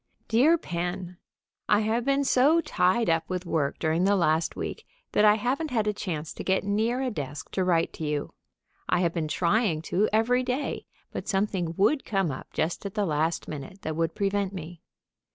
_ DEAR PEN: I have been so tied up with work during the last week that I haven't had a chance to get near a desk to write to you. I have been trying to every day, but something would come up just at the last minute that would prevent me.